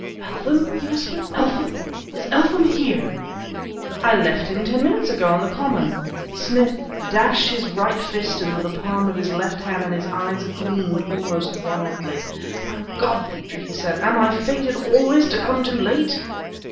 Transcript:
"Eltham!" he whispered "Eltham! is Eltham here?" "I left him ten minutes ago on the common " Smith dashed his right fist into the palm of his left hand and his eyes gleamed almost wildly. "My God, Petrie!" he said, "am I fated always to come too late?"